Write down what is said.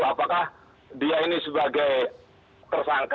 apakah dia ini sebagai tersangka